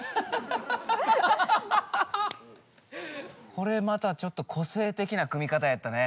これまたちょっとこせいてきな組み方やったね。